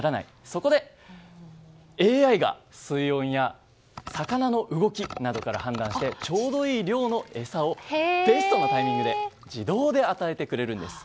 そこで、ＡＩが水温や魚の動きなどから判断してちょうどいい量の餌をベストなタイミングで自動で与えてくれるんです。